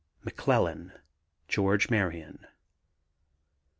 McCLELLAN, GEORGE MARION.